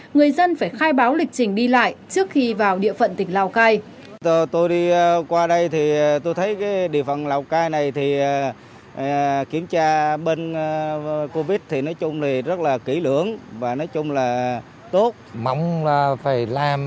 người dân phải khai báo lịch trình đi lại trước khi vào địa phận tỉnh lào cai